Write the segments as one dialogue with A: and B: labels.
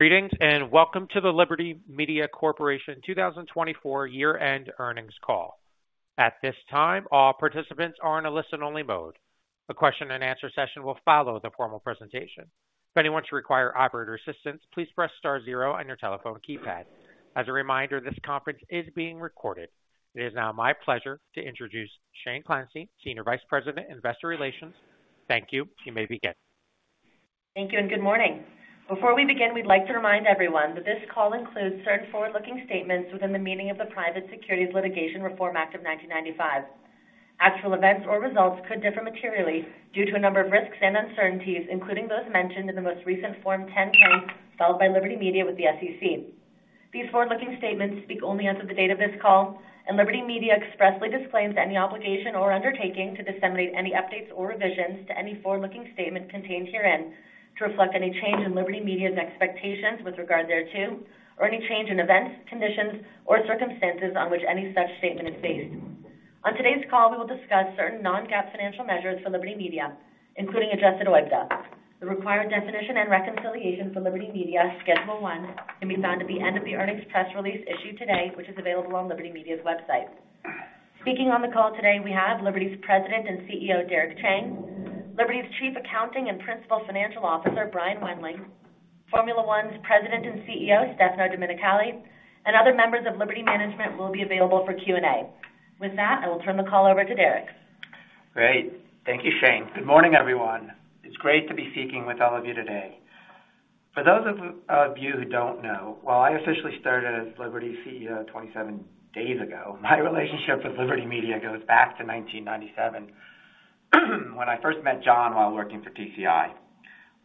A: Greetings and welcome to the Liberty Media Corporation 2024 year-end earnings call. At this time, all participants are in a listen-only mode. A question-and-answer session will follow the formal presentation. If anyone should require operator assistance, please press star zero on your telephone keypad. As a reminder, this conference is being recorded. It is now my pleasure to introduce Shane Clancy, Senior Vice President, Investor Relations. Thank you. You may begin.
B: Thank you and good morning. Before we begin, we'd like to remind everyone that this call includes certain forward-looking statements within the meaning of the Private Securities Litigation Reform Act of 1995. Actual events or results could differ materially due to a number of risks and uncertainties, including those mentioned in the most recent Form 10-K filed by Liberty Media with the SEC. These forward-looking statements speak only as of the date of this call, and Liberty Media expressly disclaims any obligation or undertaking to disseminate any updates or revisions to any forward-looking statement contained herein to reflect any change in Liberty Media's expectations with regard thereto, or any change in events, conditions, or circumstances on which any such statement is based. On today's call, we will discuss certain non-GAAP financial measures for Liberty Media, including Adjusted OIBDA. The required definition and reconciliation for Liberty Media, Schedule 1, can be found at the end of the earnings press release issued today, which is available on Liberty Media's website. Speaking on the call today, we have Liberty's President and CEO, Derek Chang, Liberty's Chief Accounting and Principal Financial Officer, Brian Wendling, Formula One's President and CEO, Stefano Domenicali, and other members of Liberty Management will be available for Q&A. With that, I will turn the call over to Derek.
C: Great. Thank you, Shane. Good morning, everyone. It's great to be speaking with all of you today. For those of you who don't know, while I officially started as Liberty CEO 27 days ago, my relationship with Liberty Media goes back to 1997, when I first met John while working for TCI.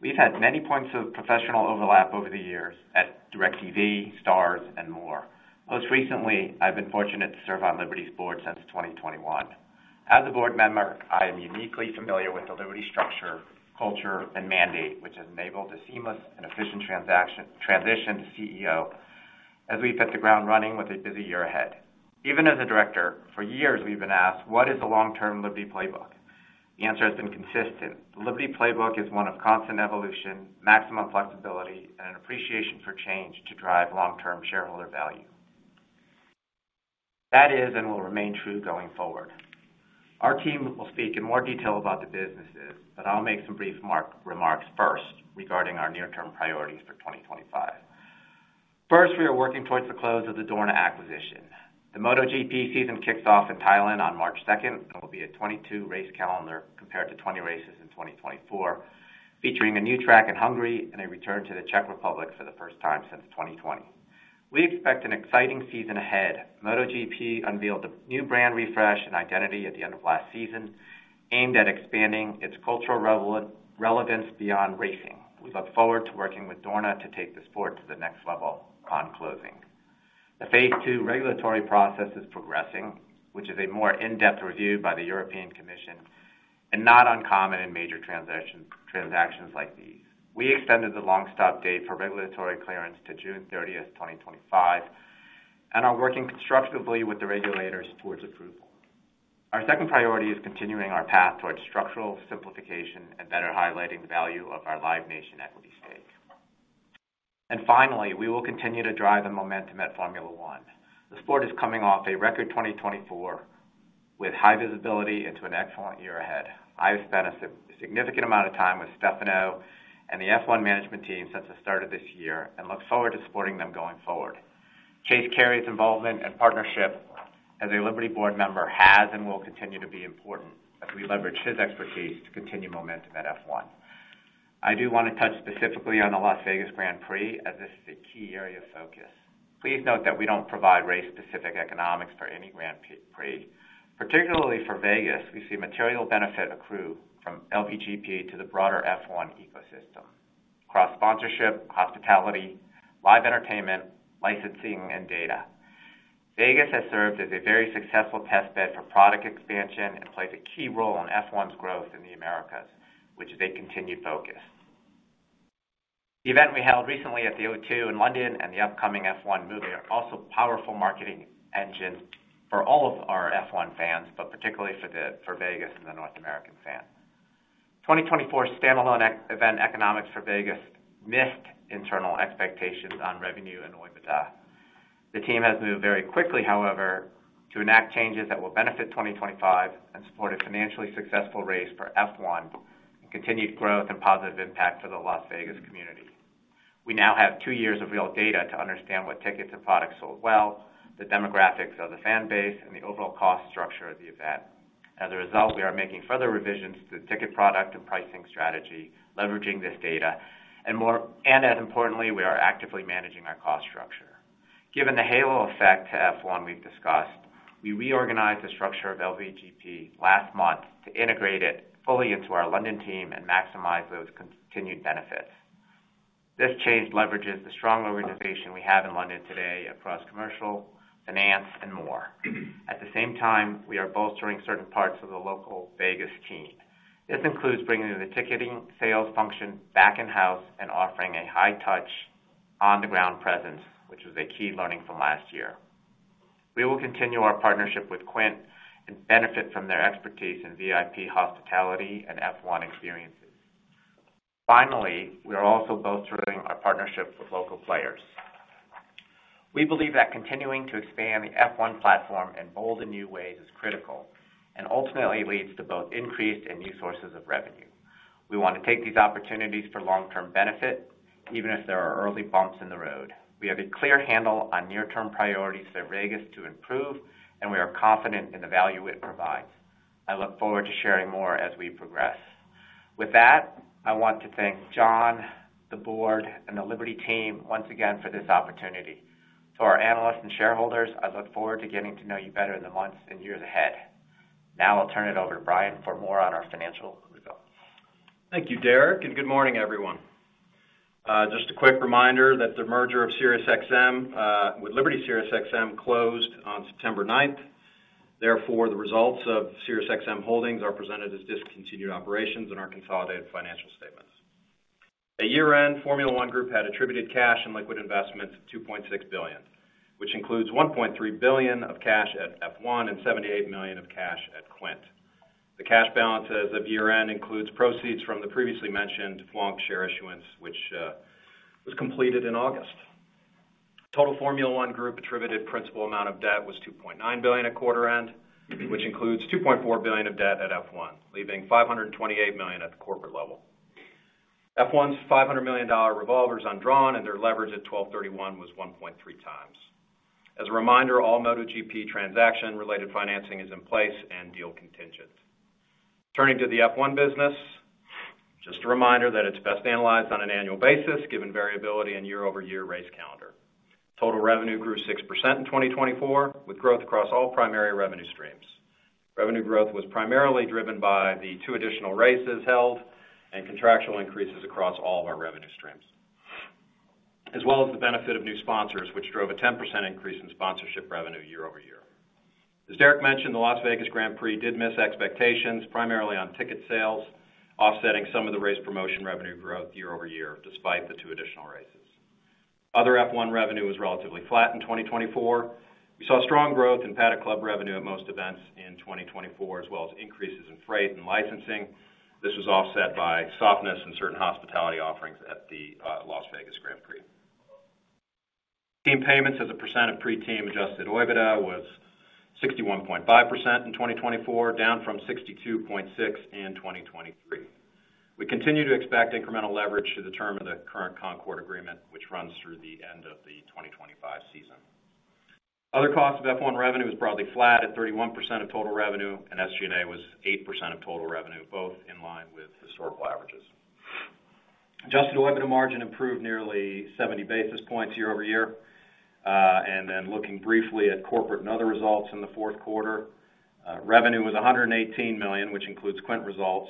C: We've had many points of professional overlap over the years at DIRECTV, Starz, and more. Most recently, I've been fortunate to serve on Liberty's board since 2021. As a board member, I am uniquely familiar with the Liberty structure, culture, and mandate, which has enabled a seamless and efficient transition to CEO as we've hit the ground running with a busy year ahead. Even as a director, for years we've been asked, "What is the long-term Liberty playbook?" The answer has been consistent. The Liberty playbook is one of constant evolution, maximum flexibility, and an appreciation for change to drive long-term shareholder value. That is and will remain true going forward. Our team will speak in more detail about the businesses, but I'll make some brief remarks first regarding our near-term priorities for 2025. First, we are working towards the close of the Dorna acquisition. The MotoGP season kicks off in Thailand on March 2nd and will be a 22-race calendar compared to 20 races in 2024, featuring a new track in Hungary and a return to the Czech Republic for the first time since 2020. We expect an exciting season ahead. MotoGP unveiled a new brand refresh and identity at the end of last season, aimed at expanding its cultural relevance beyond racing. We look forward to working with Dorna to take the sport to the next level upon closing. The phase two regulatory process is progressing, which is a more in-depth review by the European Commission and not uncommon in major transactions like these. We extended the long stop date for regulatory clearance to June 30th, 2025, and are working constructively with the regulators towards approval. Our second priority is continuing our path towards structural simplification and better highlighting the value of our Live Nation equity stake. And finally, we will continue to drive the momentum at Formula One. The sport is coming off a record 2024 with high visibility into an excellent year ahead. I've spent a significant amount of time with Stefano and the F1 management team since the start of this year and look forward to supporting them going forward. Chase Carey's involvement and partnership as a Liberty board member has and will continue to be important as we leverage his expertise to continue momentum at F1. I do want to touch specifically on the Las Vegas Grand Prix, as this is a key area of focus. Please note that we don't provide race-specific economics for any Grand Prix, particularly for Vegas. We see material benefit accrue from LVGP to the broader F1 ecosystem across sponsorship, hospitality, live entertainment, licensing, and data. Vegas has served as a very successful testbed for product expansion and plays a key role in F1's growth in the Americas, which is a continued focus. The event we held recently at The O2 in London and the upcoming F1 Movie are also powerful marketing engines for all of our F1 fans, but particularly for Vegas and the North American fans. 2024's standalone event economics for Vegas missed internal expectations on revenue and OIBDA. The team has moved very quickly, however, to enact changes that will benefit 2025 and support a financially successful race for F1 and continued growth and positive impact for the Las Vegas community. We now have two years of real data to understand what tickets and products sold well, the demographics of the fan base, and the overall cost structure of the event. As a result, we are making further revisions to the ticket product and pricing strategy, leveraging this data, and as importantly, we are actively managing our cost structure. Given the halo effect to F1 we've discussed, we reorganized the structure of LVGP last month to integrate it fully into our London team and maximize those continued benefits. This change leverages the strong organization we have in London today across commercial, finance, and more. At the same time, we are bolstering certain parts of the local Vegas team. This includes bringing the ticketing sales function back in-house and offering a high-touch, on-the-ground presence, which was a key learning from last year. We will continue our partnership with Quint and benefit from their expertise in VIP hospitality and F1 Experiences. Finally, we are also bolstering our partnership with local players. We believe that continuing to expand the F1 platform in bold and new ways is critical and ultimately leads to both increased and new sources of revenue. We want to take these opportunities for long-term benefit, even if there are early bumps in the road. We have a clear handle on near-term priorities for Vegas to improve, and we are confident in the value it provides. I look forward to sharing more as we progress. With that, I want to thank John, the board, and the Liberty team once again for this opportunity. To our analysts and shareholders, I look forward to getting to know you better in the months and years ahead. Now I'll turn it over to Brian for more on our financial results.
D: Thank you, Derek, and good morning, everyone. Just a quick reminder that the merger of SiriusXM with Liberty SiriusXM closed on September 9th. Therefore, the results of SiriusXM Holdings are presented as discontinued operations in our consolidated financial statements. At year-end, Formula One Group had attributable cash and liquid investments of $2.6 billion, which includes $1.3 billion of cash at F1 and $78 million of cash at Quint. The cash balances at year-end include proceeds from the previously mentioned FWONK share issuance, which was completed in August. Total Formula One Group attributable principal amount of debt was $2.9 billion at quarter-end, which includes $2.4 billion of debt at F1, leaving $528 million at the corporate level. F1's $500 million revolver is undrawn, and their leverage at 12/31 was 1.3x. As a reminder, all MotoGP transaction-related financing is in place and deal contingent. Turning to the F1 business, just a reminder that it's best analyzed on an annual basis, given variability in year-over-year race calendar. Total revenue grew 6% in 2024, with growth across all primary revenue streams. Revenue growth was primarily driven by the two additional races held and contractual increases across all of our revenue streams, as well as the benefit of new sponsors, which drove a 10% increase in sponsorship revenue year-over-year. As Derek mentioned, the Las Vegas Grand Prix did miss expectations, primarily on ticket sales, offsetting some of the race promotion revenue growth year-over-year, despite the two additional races. Other F1 revenue was relatively flat in 2024. We saw strong growth in Paddock Club revenue at most events in 2024, as well as increases in freight and licensing. This was offset by softness in certain hospitality offerings at the Las Vegas Grand Prix. Team payments as a percent of pre-team adjusted OIBDA was 61.5% in 2024, down from 62.6% in 2023. We continue to expect incremental leverage to determine the current Concorde Agreement, which runs through the end of the 2025 season. Other costs of F1 revenue was broadly flat at 31% of total revenue, and SG&A was 8% of total revenue, both in line with historical averages. Adjusted OIBDA margin improved nearly 70 basis points year-over-year. And then looking briefly at corporate and other results in the fourth quarter, revenue was $118 million, which includes Quint results,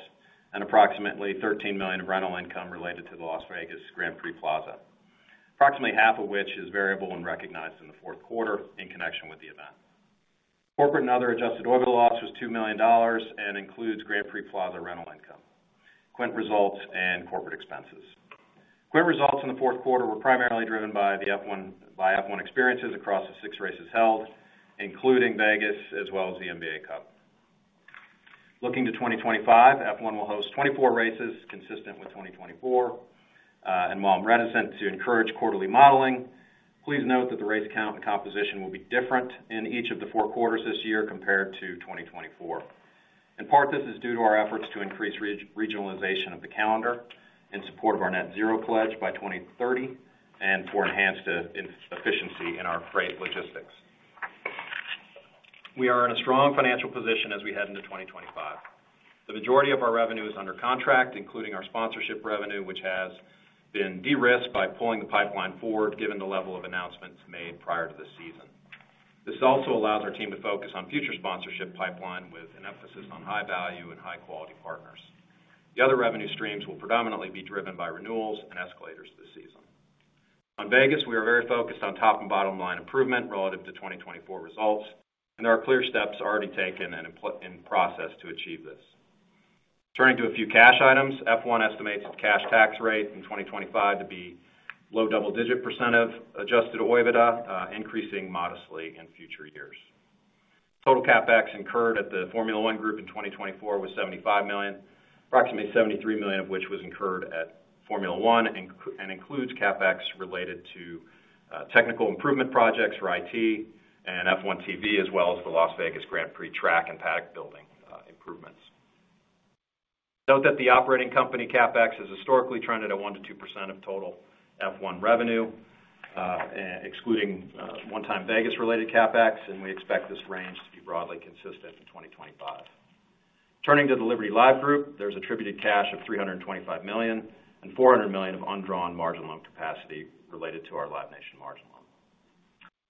D: and approximately $13 million of rental income related to the Las Vegas Grand Prix Plaza, approximately half of which is variable and recognized in the fourth quarter in connection with the event. Corporate and other adjusted OIBDA loss was $2 million and includes Grand Prix Plaza rental income, Quint results, and corporate expenses. Quint results in the fourth quarter were primarily driven by F1 experiences across the six races held, including Vegas, as well as the NBA Cup. Looking to 2025, F1 will host 24 races, consistent with 2024. And while I'm reticent to encourage quarterly modeling, please note that the race count and composition will be different in each of the four quarters this year compared to 2024. In part, this is due to our efforts to increase regionalization of the calendar in support of our net-zero pledge by 2030 and for enhanced efficiency in our freight logistics. We are in a strong financial position as we head into 2025. The majority of our revenue is under contract, including our sponsorship revenue, which has been de-risked by pulling the pipeline forward, given the level of announcements made prior to this season. This also allows our team to focus on future sponsorship pipeline with an emphasis on high-value and high-quality partners. The other revenue streams will predominantly be driven by renewals and escalators this season. On Vegas, we are very focused on top and bottom-line improvement relative to 2024 results, and there are clear steps already taken and in process to achieve this. Turning to a few cash items, F1 estimates the cash tax rate in 2025 to be low double-digit percent of Adjusted OIBDA, increasing modestly in future years. Total CapEx incurred at the Formula One Group in 2024 was $75 million, approximately $73 million of which was incurred at Formula One and includes CapEx related to technical improvement projects for IT and F1 TV, as well as the Las Vegas Grand Prix track and paddock building improvements. Note that the operating company CapEx has historically trended at 1%-2% of total F1 revenue, excluding one-time Vegas-related CapEx, and we expect this range to be broadly consistent in 2025. Turning to the Liberty Live Group, there's attributed cash of $325 million and $400 million of undrawn margin loan capacity related to our Live Nation margin loan.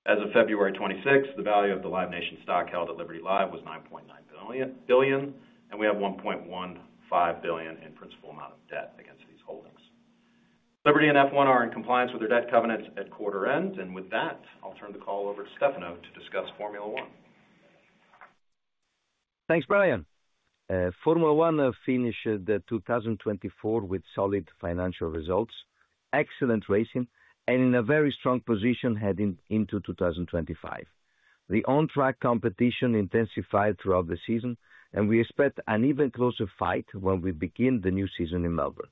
D: As of February 26th, the value of the Live Nation stock held at Liberty Live was $9.9 billion, and we have $1.15 billion in principal amount of debt against these holdings. Liberty and F1 are in compliance with their debt covenants at quarter-end, and with that, I'll turn the call over to Stefano to discuss Formula One.
E: Thanks, Brian. Formula One finished the 2024 with solid financial results, excellent racing, and in a very strong position heading into 2025. The on-track competition intensified throughout the season, and we expect an even closer fight when we begin the new season in Melbourne.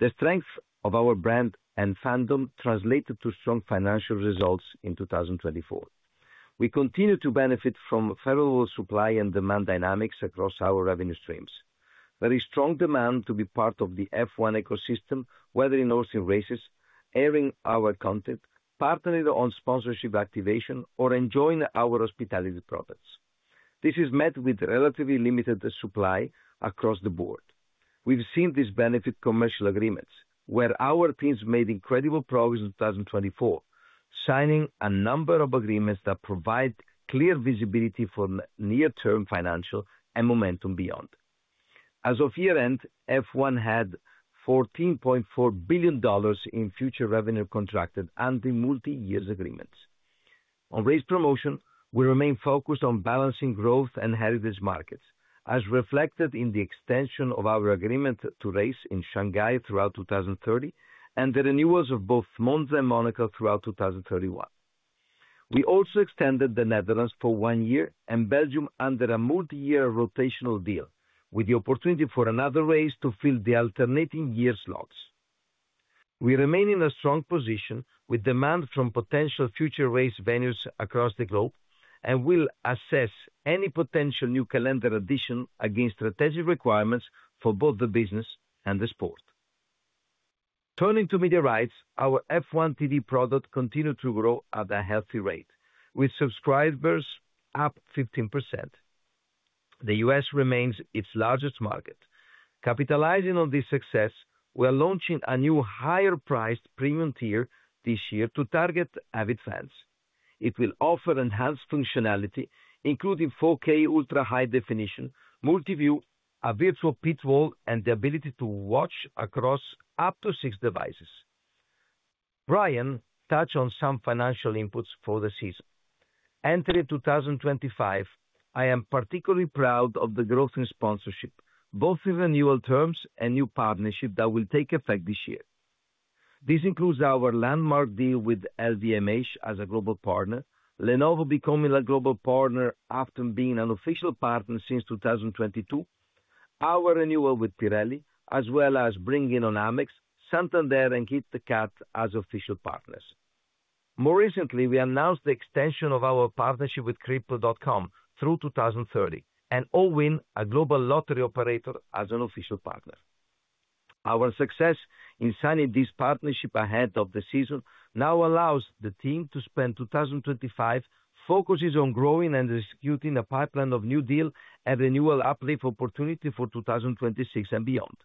E: The strength of our brand and fandom translated to strong financial results in 2024. We continue to benefit from favorable supply and demand dynamics across our revenue streams. There is strong demand to be part of the F1 ecosystem, whether in hosting races, airing our content, partnering on sponsorship activation, or enjoying our hospitality products. This is met with relatively limited supply across the board. We've seen this benefit commercial agreements, where our teams made incredible progress in 2024, signing a number of agreements that provide clear visibility for near-term financial and momentum beyond. As of year-end, F1 had $14.4 billion in future revenue contracted under multi-year agreements. On race promotion, we remain focused on balancing growth and heritage markets, as reflected in the extension of our agreement to race in Shanghai throughout 2030 and the renewals of both Monza and Monaco throughout 2031. We also extended the Netherlands for one year and Belgium under a multi-year rotational deal, with the opportunity for another race to fill the alternating year slots. We remain in a strong position with demand from potential future race venues across the globe, and we'll assess any potential new calendar addition against strategic requirements for both the business and the sport. Turning to media rights, our F1 TV product continued to grow at a healthy rate, with subscribers up 15%. The U.S. remains its largest market. Capitalizing on this success, we're launching a new higher-priced premium tier this year to target avid fans. It will offer enhanced functionality, including 4K ultra-high definition, multi-view, a virtual pit wall, and the ability to watch across up to six devices. Brian, touch on some financial inputs for the season. Entering 2025, I am particularly proud of the growth in sponsorship, both in renewal terms and new partnerships that will take effect this year. This includes our landmark deal with LVMH as a global partner, Lenovo becoming a global partner after being an official partner since 2022, our renewal with Pirelli, as well as bringing on AmEx, Santander, and KitKat as official partners. More recently, we announced the extension of our partnership with Crypto.com through 2030 and Allwyn, a global lottery operator, as an official partner. Our success in signing this partnership ahead of the season now allows the team to spend 2025 focusing on growing and executing a pipeline of new deal and renewal uplift opportunity for 2026 and beyond.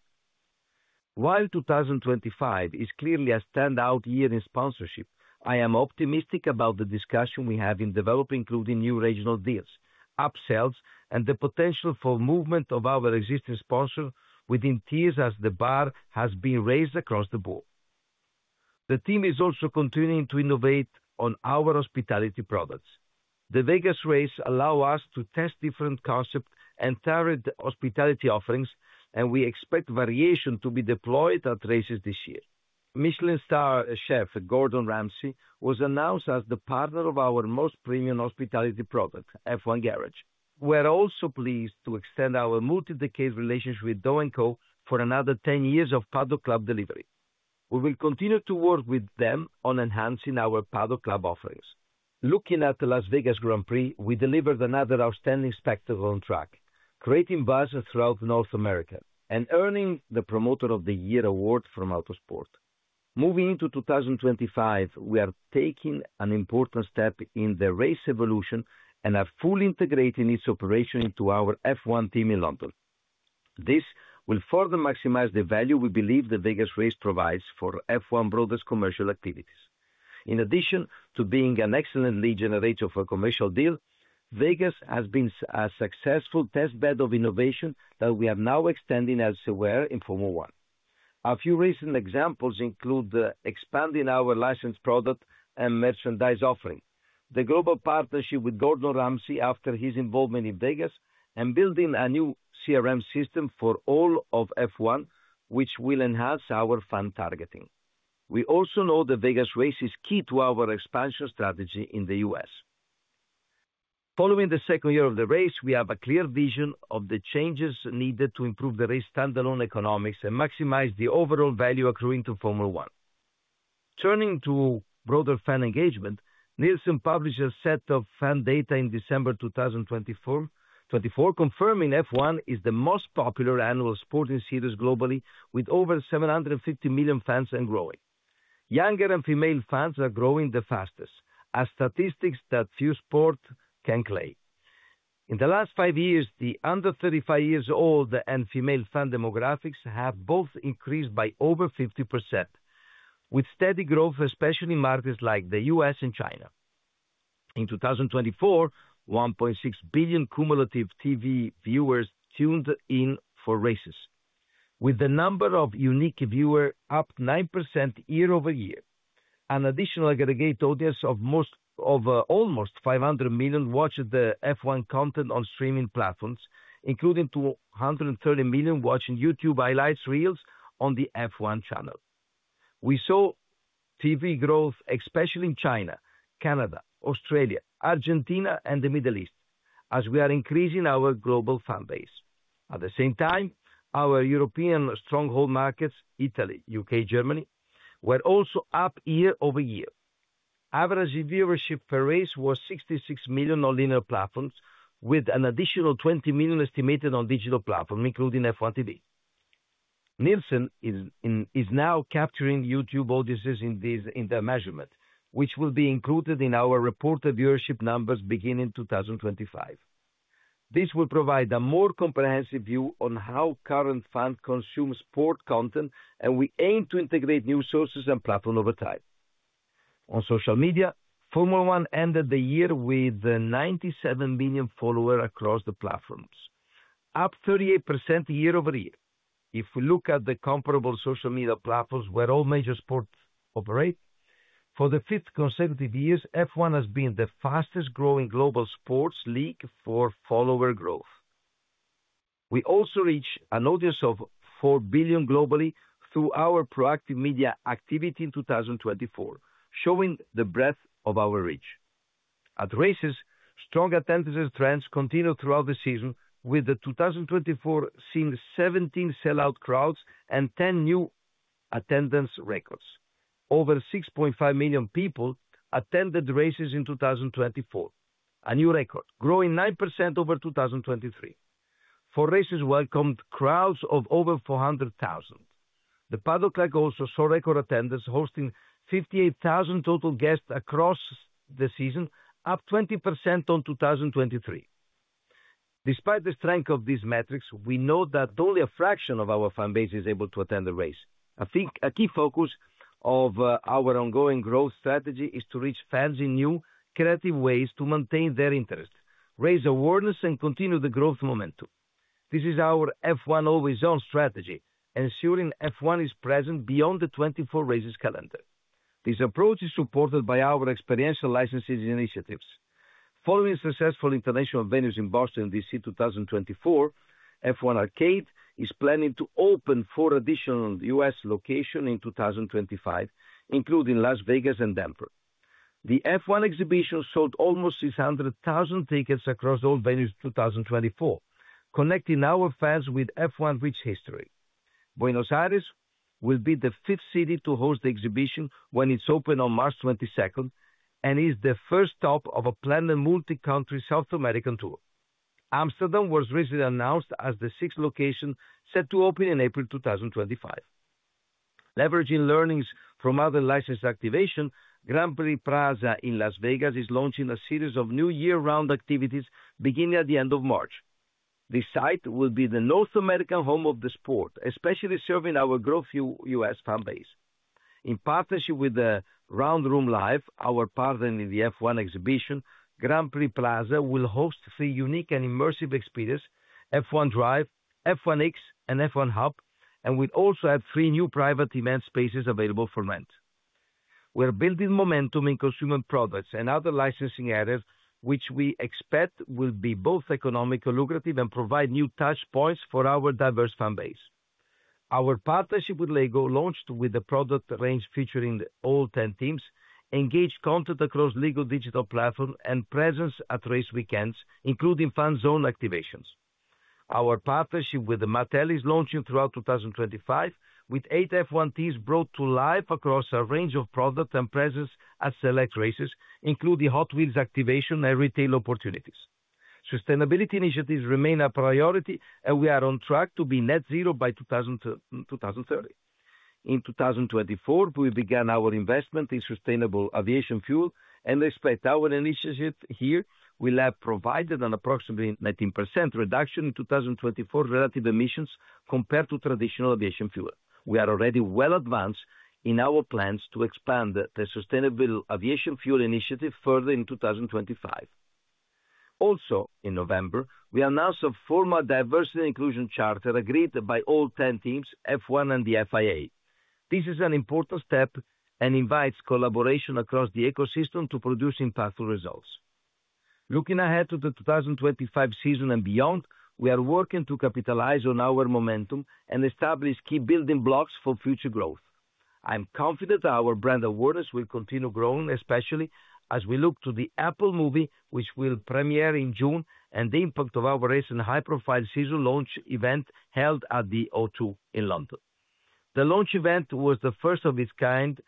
E: While 2025 is clearly a standout year in sponsorship, I am optimistic about the discussion we have in developing, including new regional deals, upsells, and the potential for movement of our existing sponsor within tiers as the bar has been raised across the board. The team is also continuing to innovate on our hospitality products. The Vegas race allows us to test different concepts and target hospitality offerings, and we expect variation to be deployed at races this year. Michelin-starred chef Gordon Ramsay was announced as the partner of our most premium hospitality product, F1 Garage. We're also pleased to extend our multi-decade relationship with DO & CO for another 10 years of Paddock Club delivery. We will continue to work with them on enhancing our Paddock Club offerings. Looking at the Las Vegas Grand Prix, we delivered another outstanding spectacle on track, creating buzz throughout North America and earning the Promoter of the Year award from Autosport. Moving into 2025, we are taking an important step in the race evolution and are fully integrating its operation into our F1 team in London. This will further maximize the value we believe the Vegas race provides for F1's broader commercial activities. In addition to being an excellent lead generator for a commercial deal, Vegas has been a successful testbed of innovation that we are now extending elsewhere in Formula One. A few recent examples include expanding our licensed product and merchandise offering, the global partnership with Gordon Ramsay after his involvement in Vegas, and building a new CRM system for all of F1, which will enhance our fan targeting. We also know the Vegas race is key to our expansion strategy in the U.S. Following the second year of the race, we have a clear vision of the changes needed to improve the race standalone economics and maximize the overall value accruing to Formula One. Turning to broader fan engagement, Nielsen published a set of fan data in December 2024, confirming F1 is the most popular annual sporting series globally, with over 750 million fans and growing. Younger and female fans are growing the fastest, as statistics that few sports can claim. In the last five years, the under 35 years old and female fan demographics have both increased by over 50%, with steady growth, especially in markets like the U.S. and China. In 2024, 1.6 billion cumulative TV viewers tuned in for races, with the number of unique viewers up 9% year-over-year. An additional aggregate audience of almost 500 million watched the F1 content on streaming platforms, including 230 million watching YouTube highlights reels on the F1 channel. We saw TV growth, especially in China, Canada, Australia, Argentina, and the Middle East, as we are increasing our global fan base. At the same time, our European stronghold markets, Italy, U.K., Germany, were also up year-over-year. Average viewership per race was 66 million on linear platforms, with an additional 20 million estimated on digital platforms, including F1 TV. Nielsen is now capturing YouTube audiences in their measurement, which will be included in our reported viewership numbers beginning 2025. This will provide a more comprehensive view on how current fans consume sport content, and we aim to integrate new sources and platforms over time. On social media, Formula One ended the year with 97 million followers across the platforms, up 38% year-over-year. If we look at the comparable social media platforms where all major sports operate, for the fifth consecutive year, F1 has been the fastest-growing global sports league for follower growth. We also reached an audience of four billion globally through our proactive media activity in 2024, showing the breadth of our reach. At races, strong attendance trends continued throughout the season, with the 2024 seeing 17 sellout crowds and 10 new attendance records. Over 6.5 million people attended races in 2024, a new record, growing 9% over 2023. Four races welcomed crowds of over 400,000. The paddock also saw record attendance, hosting 58,000 total guests across the season, up 20% on 2023. Despite the strength of these metrics, we know that only a fraction of our fan base is able to attend the race. A key focus of our ongoing growth strategy is to reach fans in new, creative ways to maintain their interest, raise awareness, and continue the growth momentum. This is our F1 always-on strategy, ensuring F1 is present beyond the 24 races calendar. This approach is supported by our experiential licensing initiatives. Following successful international venues in Boston and D.C., 2024, F1 Arcade is planning to open four additional U.S. locations in 2025, including Las Vegas and Denver. The F1 Exhibition sold almost 600,000 tickets across all venues in 2024, connecting our fans with F1's rich history. Buenos Aires will be the fifth city to host the Exhibition when it's opened on March 22nd and is the first stop of a planned multi-country South American tour. Amsterdam was recently announced as the sixth location set to open in April 2025. Leveraging learnings from other license activations, Grand Prix Plaza in Las Vegas is launching a series of new year-round activities beginning at the end of March. The site will be the North American home of the sport, especially serving our growing U.S. fan base. In partnership with Round Room Live, our partner in the F1 Exhibition, Grand Prix Plaza will host three unique and immersive experiences: F1 Drive, F1 X, and F1 Hub, and will also have three new private event spaces available for rent. We're building momentum in consumer products and other licensing areas, which we expect will be both economically lucrative and provide new touchpoints for our diverse fan base. Our partnership with LEGO, launched with a product range featuring all 10 teams, engaged content across LEGO digital platforms, and presence at race weekends, including fan zone activations. Our partnership with Mattel is launching throughout 2025, with eight F1 teams brought to life across a range of products and presence at select races, including Hot Wheels activation and retail opportunities. Sustainability initiatives remain a priority, and we are on track to be Net Zero by 2030. In 2024, we began our investment in Sustainable Aviation Fuel, and despite our initiative here, we have provided an approximately 19% reduction in 2024 relative emissions compared to traditional aviation fuel. We are already well advanced in our plans to expand the sustainable aviation fuel initiative further in 2025. Also, in November, we announced a formal diversity inclusion charter agreed by all 10 teams, F1 and the FIA. This is an important step and invites collaboration across the ecosystem to produce impactful results. Looking ahead to the 2025 season and beyond, we are working to capitalize on our momentum and establish key building blocks for future growth. I'm confident our brand awareness will continue growing, especially as we look to the Apple Movie, which will premiere in June, and the impact of our race and high-profile season launch event held at the O2 in London. The launch event was the first of its kind,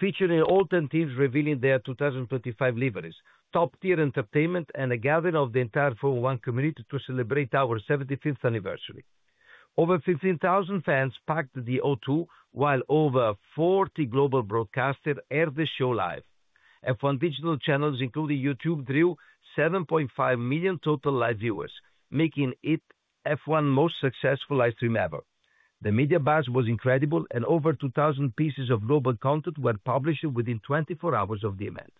E: featuring all 10 teams revealing their 2025 liveries, top-tier entertainment, and a gathering of the entire Formula One community to celebrate our 75th anniversary. Over 15,000 fans packed The O2, while over 40 global broadcasters aired the show live. F1 digital channels, including YouTube, drew 7.5 million total live viewers, making it F1's most successful live stream ever. The media buzz was incredible, and over 2,000 pieces of global content were published within 24 hours of the event.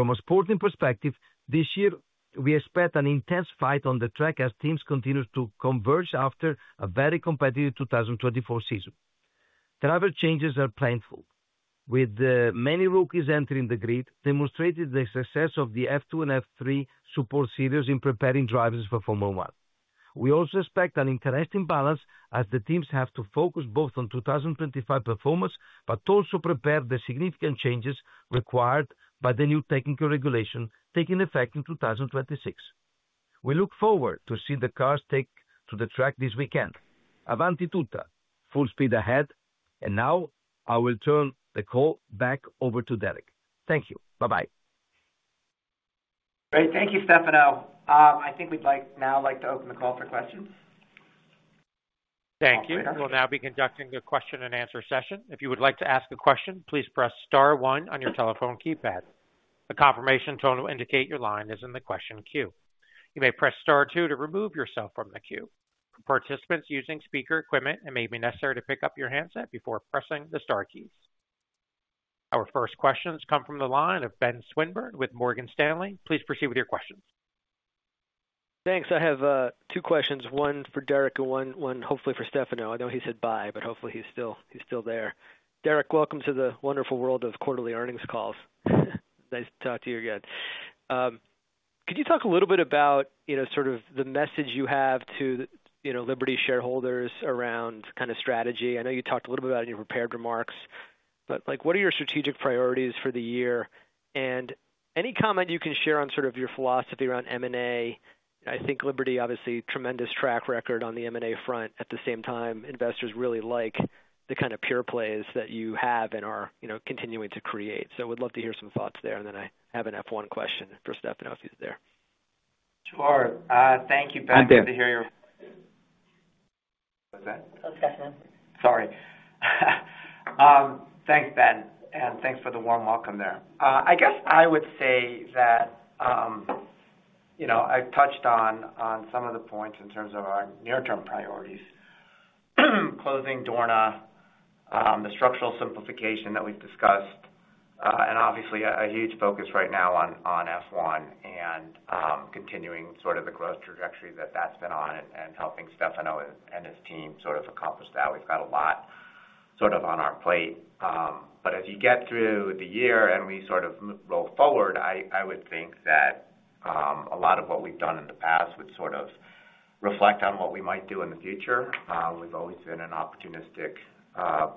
E: From a sporting perspective, this year, we expect an intense fight on the track as teams continue to converge after a very competitive 2024 season. Driver changes are painful, with many rookies entering the grid, demonstrating the success of the F2 and F3 support series in preparing drivers for Formula One. We also expect an interesting balance as the teams have to focus both on 2025 performance but also prepare the significant changes required by the new technical regulation taking effect in 2026. We look forward to seeing the cars take to the track this weekend. Avanti tutta, full speed ahead. And now, I will turn the call back over to Derek. Thank you. Bye-bye. Great.
C: Thank you, Stefano. I think we'd now like to open the call for questions.
A: Thank you. We'll now be conducting a question-and-answer session. If you would like to ask a question, please press star one on your telephone keypad. The confirmation tone will indicate your line is in the question queue. You may press star two to remove yourself from the queue. For participants using speaker equipment, it may be necessary to pick up your handset before pressing the star keys. Our first questions come from the line of Ben Swinburne with Morgan Stanley. Please proceed with your questions.
F: Thanks. I have two questions, one for Derek and one hopefully for Stefano. I know he said bye, but hopefully he's still there. Derek, welcome to the wonderful world of quarterly earnings calls. Nice to talk to you again. Could you talk a little bit about sort of the message you have to Liberty's shareholders around kind of strategy? I know you talked a little bit about it in your prepared remarks, but what are your strategic priorities for the year? And any comment you can share on sort of your philosophy around M&A? I think Liberty, obviously, has a tremendous track record on the M&A front. At the same time, investors really like the kind of pure plays that you have and are continuing to create. So we'd love to hear some thoughts there. And then I have an F1 question for Stefano if he's there. Sure.
E: Thank you, Ben. Good to hear your.
F: What's that? Oh, Stefano.
C: Sorry. Thanks, Ben. And thanks for the warm welcome there. I guess I would say that I've touched on some of the points in terms of our near-term priorities: closing Dorna, the structural simplification that we've discussed, and obviously a huge focus right now on F1 and continuing sort of the growth trajectory that that's been on and helping Stefano and his team sort of accomplish that. We've got a lot sort of on our plate. But as you get through the year and we sort of roll forward, I would think that a lot of what we've done in the past would sort of reflect on what we might do in the future. We've always been an opportunistic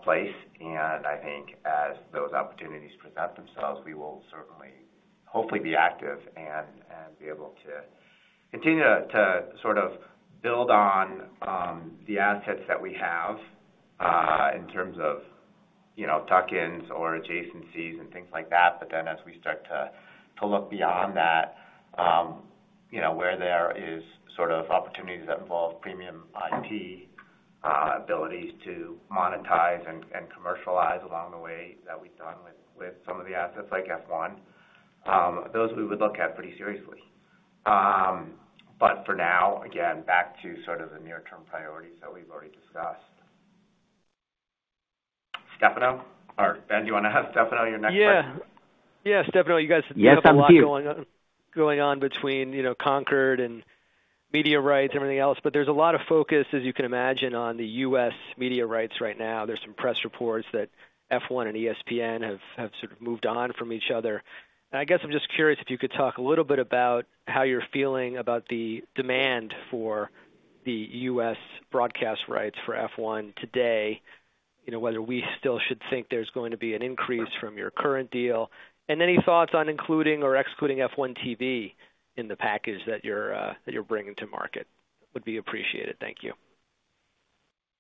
C: place. And I think as those opportunities present themselves, we will certainly hopefully be active and be able to continue to sort of build on the assets that we have in terms of tuck-ins or adjacencies and things like that. But then as we start to look beyond that, where there are sort of opportunities that involve premium IP abilities to monetize and commercialize along the way that we've done with some of the assets like F1, those we would look at pretty seriously. But for now, again, back to sort of the near-term priorities that we've already discussed. Stefano or Ben, do you want to ask Stefano your next question?
F: Yeah. Yeah, Stefano, you guys have a lot going on between Concorde and media rights and everything else. But there's a lot of focus, as you can imagine, on the U.S. media rights right now. There's some press reports that F1 and ESPN have sort of moved on from each other. I guess I'm just curious if you could talk a little bit about how you're feeling about the demand for the US broadcast rights for F1 today, whether we still should think there's going to be an increase from your current deal, and any thoughts on including or excluding F1 TV in the package that you're bringing to market. It would be appreciated. Thank you.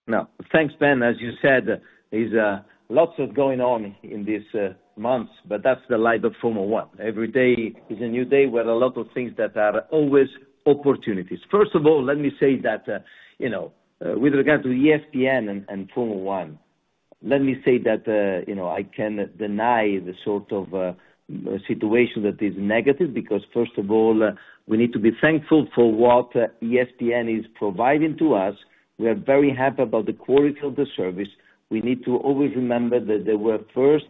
E: Now, thanks, Ben. As you said, there's lots of going on in these months, but that's the life of Formula One. Every day is a new day with a lot of things that are always opportunities. First of all, let me say that with regard to ESPN and Formula One, let me say that I can't deny the sort of situation that is negative because, first of all, we need to be thankful for what ESPN is providing to us. We are very happy about the quality of the service. We need to always remember that they were first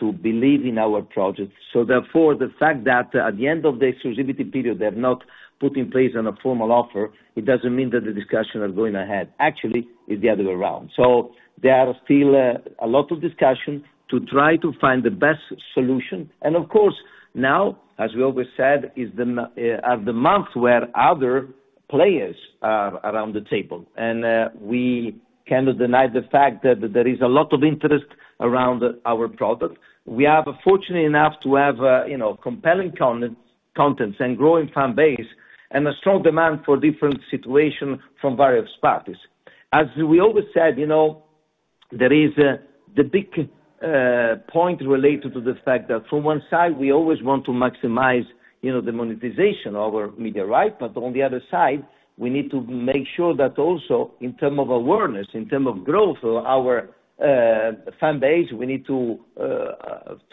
E: to believe in our project. So therefore, the fact that at the end of the exclusivity period, they have not put in place a formal offer, it doesn't mean that the discussions are going ahead. Actually, it's the other way around. So there are still a lot of discussions to try to find the best solution. And of course, now, as we always said, is the month where other players are around the table. And we cannot deny the fact that there is a lot of interest around our product. We are fortunate enough to have compelling contents and a growing fan base and a strong demand for different situations from various parties. As we always said, there is the big point related to the fact that from one side, we always want to maximize the monetization of our media rights. But on the other side, we need to make sure that also in terms of awareness, in terms of growth of our fan base, we need to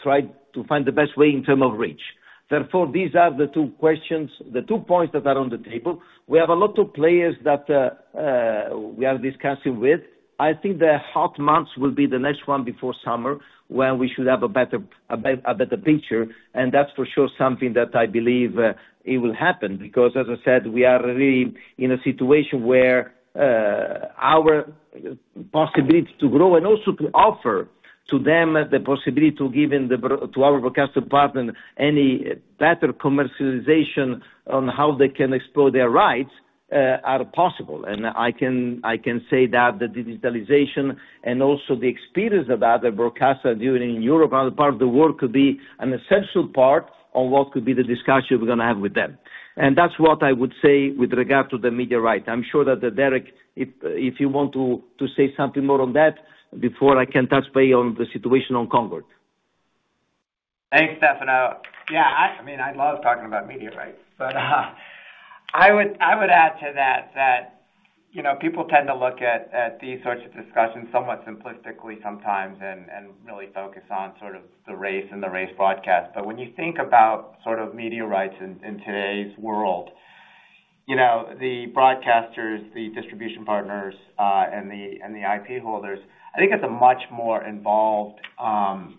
E: try to find the best way in terms of reach. Therefore, these are the two questions, the two points that are on the table. We have a lot of players that we are discussing with. I think the hot months will be the next one before summer when we should have a better picture. And that's for sure something that I believe it will happen because, as I said, we are really in a situation where our possibility to grow and also to offer to them the possibility to give to our broadcaster partner any better commercialization on how they can explore their rights are possible. And I can say that the digitalization and also the experience that other broadcasters are doing in Europe and other parts of the world could be an essential part of what could be the discussion we're going to have with them. And that's what I would say with regard to the media rights. I'm sure that Derek, if you want to say something more on that before I can touch base on the situation on Concorde.
C: Thanks, Stefano. Yeah, I mean, I love talking about media rights. But I would add to that that people tend to look at these sorts of discussions somewhat simplistically sometimes and really focus on sort of the race and the race broadcast. But when you think about sort of media rights in today's world, the broadcasters, the distribution partners, and the IP holders, I think it's a much more involved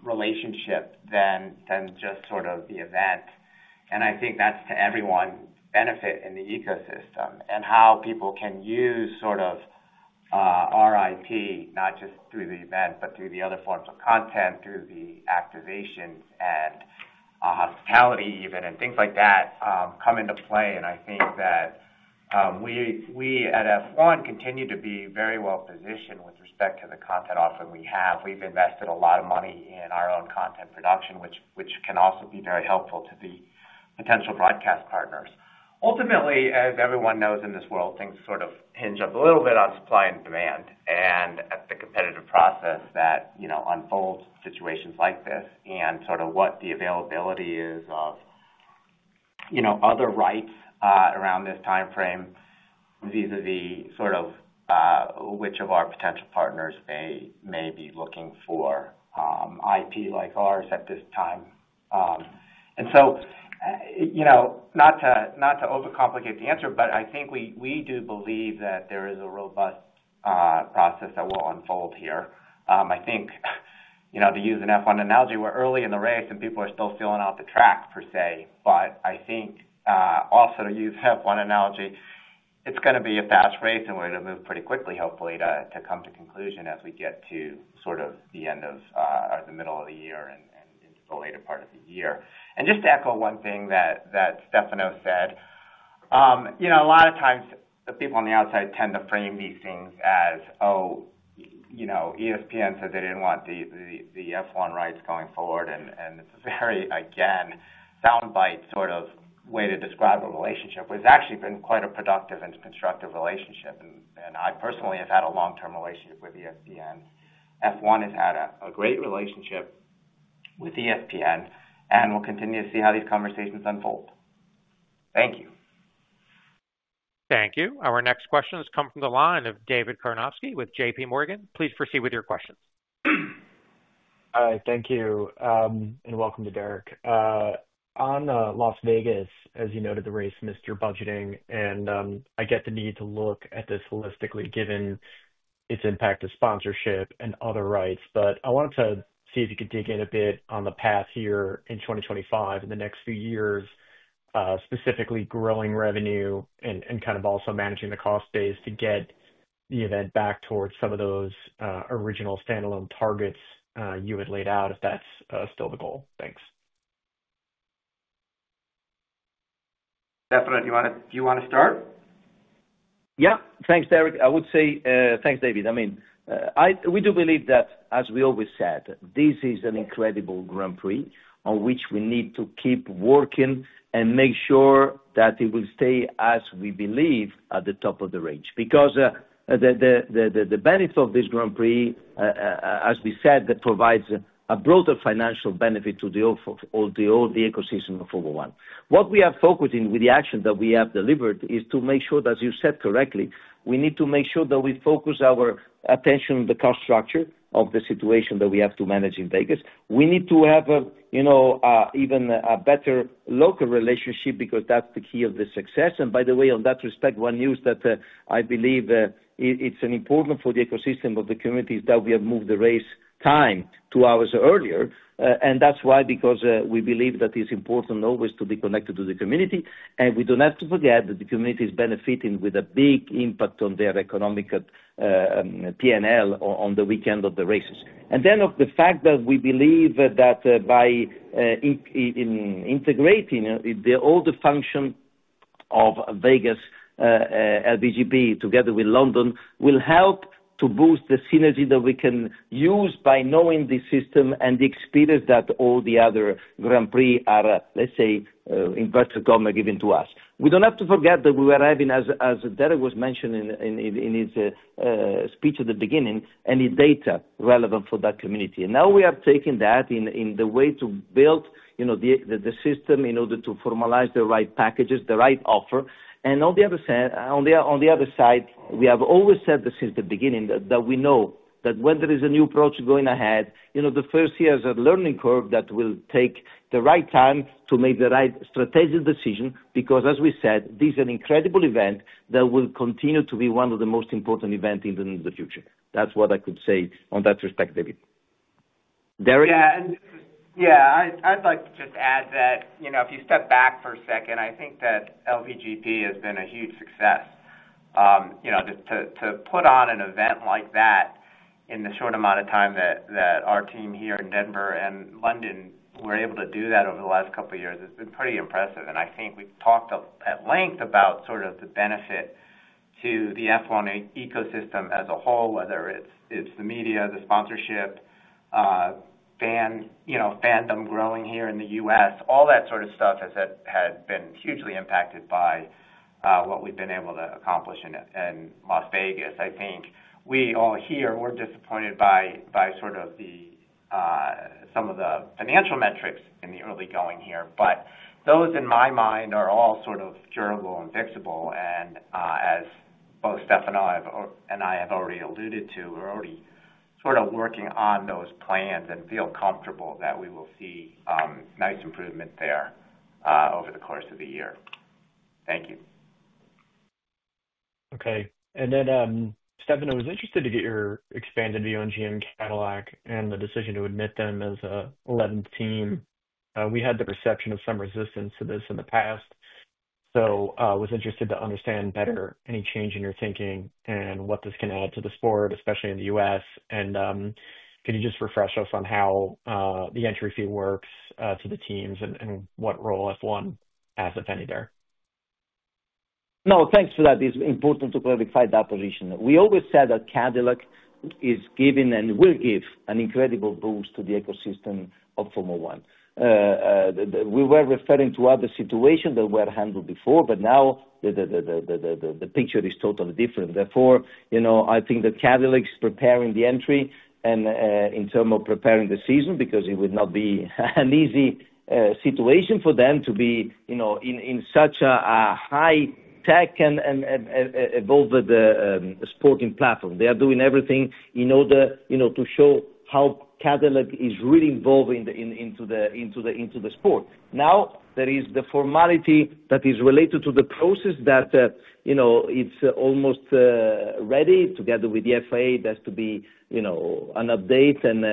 C: relationship than just sort of the event. And I think that's to everyone's benefit in the ecosystem and how people can use sort of our IP, not just through the event, but through the other forms of content, through the activations and hospitality even, and things like that come into play. And I think that we at F1 continue to be very well positioned with respect to the content offer we have. We've invested a lot of money in our own content production, which can also be very helpful to the potential broadcast partners. Ultimately, as everyone knows in this world, things sort of hinge a little bit on supply and demand and the competitive process that unfolds situations like this and sort of what the availability is of other rights around this timeframe vis-à-vis sort of which of our potential partners may be looking for IP like ours at this time. And so not to overcomplicate the answer, but I think we do believe that there is a robust process that will unfold here. I think to use an F1 analogy, we're early in the race and people are still feeling off the track, per se. But I think also to use an F1 analogy, it's going to be a fast race and we're going to move pretty quickly, hopefully, to come to conclusion as we get to sort of the end of or the middle of the year and into the later part of the year. And just to echo one thing that Stefano said, a lot of times the people on the outside tend to frame these things as, "Oh, ESPN said they didn't want the F1 rights going forward." And it's a very, again, soundbite sort of way to describe a relationship. It's actually been quite a productive and constructive relationship. And I personally have had a long-term relationship with ESPN. F1 has had a great relationship with ESPN and will continue to see how these conversations unfold. Thank you.
A: Thank you. Our next question has come from the line of David Karnovsky with J.P. Morgan. Please proceed with your questions.
G: Hi. Thank you. And welcome to Derek. On Las Vegas, as you noted, the race missed your budgeting. And I get the need to look at this holistically given its impact to sponsorship and other rights. But I wanted to see if you could dig in a bit on the path here in 2025 and the next few years, specifically growing revenue and kind of also managing the cost base to get the event back towards some of those original standalone targets you had laid out if that's still the goal.
C: Thanks. Stefano, do you want to start?
E: Yeah. Thanks, Derek. I would say thanks, David. I mean, we do believe that, as we always said, this is an incredible Grand Prix on which we need to keep working and make sure that it will stay, as we believe, at the top of the range because the benefit of this Grand Prix, as we said, that provides a broader financial benefit to the ecosystem of Formula One. What we are focusing with the action that we have delivered is to make sure that, as you said correctly, we need to make sure that we focus our attention on the cost structure of the situation that we have to manage in Vegas. We need to have even a better local relationship because that's the key of the success. By the way, on that respect, one news that I believe it's important for the ecosystem of the community is that we have moved the race time two hours earlier. And that's why because we believe that it's important always to be connected to the community. And we don't have to forget that the community is benefiting with a big impact on their economic P&L on the weekend of the races. And then the fact that we believe that by integrating all the functions of Vegas LVGP together with London will help to boost the synergy that we can use by knowing the system and the experience that all the other Grand Prix are, let's say, virtually given to us. We don't have to forget that we were having, as Derek was mentioning in his speech at the beginning, any data relevant for that community. And now we are taking that in the way to build the system in order to formalize the right packages, the right offer. And on the other side, we have always said this since the beginning that we know that when there is a new approach going ahead, the first year is a learning curve that will take the right time to make the right strategic decision because, as we said, this is an incredible event that will continue to be one of the most important events in the future. That's what I could say on that respect, David. Derek?
C: Yeah. And yeah, I'd like to just add that if you step back for a second, I think that LVGP has been a huge success. To put on an event like that in the short amount of time that our team here in Denver and London were able to do that over the last couple of years has been pretty impressive, and I think we've talked at length about sort of the benefit to the F1 ecosystem as a whole, whether it's the media, the sponsorship, fandom growing here in the U.S., all that sort of stuff has been hugely impacted by what we've been able to accomplish in Las Vegas. I think we all here were disappointed by sort of some of the financial metrics in the early going here, but those, in my mind, are all sort of durable and fixable. As both Stefano and I have already alluded to, we're already sort of working on those plans and feel comfortable that we will see nice improvement there over the course of the year. Thank you.
G: Okay. And then Stefano was interested to get your expanded VO and GM Cadillac and the decision to admit them as an 11th team. We had the perception of some resistance to this in the past. So I was interested to understand better any change in your thinking and what this can add to the sport, especially in the U.S. And can you just refresh us on how the entry fee works to the teams and what role F1 has, if any, there?
E: No, thanks for that. It's important to clarify that position. We always said that Cadillac is giving and will give an incredible boost to the ecosystem of Formula One. We were referring to other situations that were handled before, but now the picture is totally different. Therefore, I think that Cadillac is preparing the entry and in terms of preparing the season because it will not be an easy situation for them to be in such a high-tech and evolved sporting platform. They are doing everything in order to show how Cadillac is really involved into the sport. Now, there is the formality that is related to the process that it's almost ready together with the FIA that's to be an update, and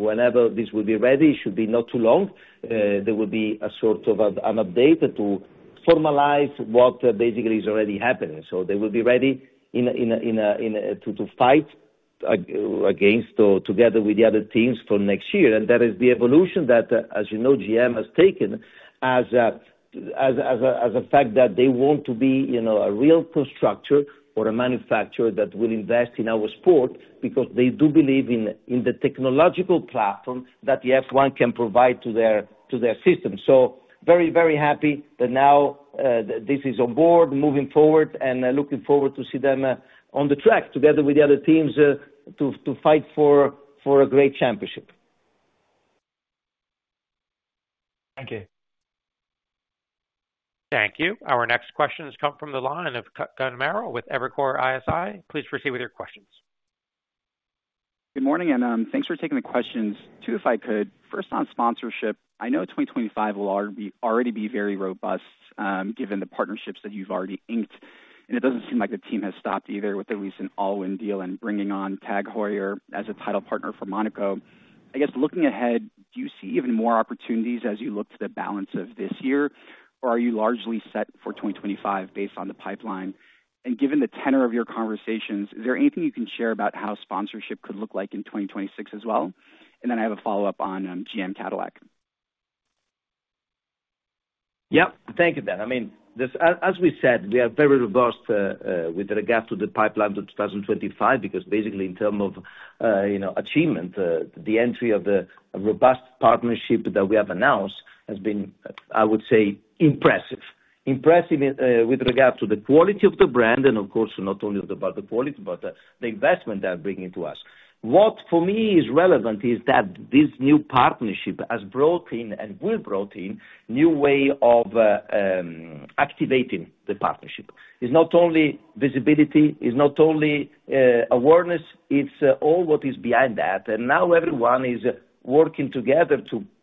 E: whenever this will be ready, it should be not too long. There will be a sort of an update to formalize what basically is already happening, so they will be ready to fight against together with the other teams for next year. That is the evolution that, as you know, GM has taken as a fact that they want to be a real constructor or a manufacturer that will invest in our sport because they do believe in the technological platform that the F1 can provide to their system. So very, very happy that now this is on board, moving forward, and looking forward to see them on the track together with the other teams to fight for a great championship.
G: Thank you.
A: Thank you. Our next question has come from the line of Kutgun Maral with Evercore ISI. Please proceed with your questions.
H: Good morning. And thanks for taking the questions. Two if I could. First, on sponsorship, I know 2025 will already be very robust given the partnerships that you've already inked. And it doesn't seem like the team has stopped either with the recent Allwyn deal and bringing on TAG Heuer as a title partner for Monaco. I guess looking ahead, do you see even more opportunities as you look to the balance of this year, or are you largely set for 2025 based on the pipeline? And given the tenor of your conversations, is there anything you can share about how sponsorship could look like in 2026 as well? And then I have a follow-up on GM Cadillac.
E: Yep. Thank you, Kutgun. I mean, as we said, we are very robust with regard to the pipeline to 2025 because basically in terms of achievement, the entry of the robust partnership that we have announced has been, I would say, impressive. Impressive with regard to the quality of the brand and, of course, not only about the quality, but the investment they're bringing to us. What for me is relevant is that this new partnership has brought in and will brought in a new way of activating the partnership. It's not only visibility. It's not only awareness. It's all what is behind that. And now everyone is working together